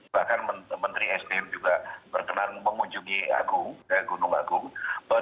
bahkan menteri sdm juga berkenan mengunjungi gunung agung